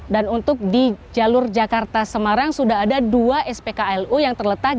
dan untuk di jalur jakarta semarang sudah ada dua spklu yang terletak